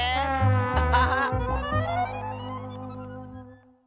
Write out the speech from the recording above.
アハハッ。